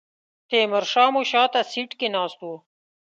تیمور شاه مو شاته سیټ کې ناست و.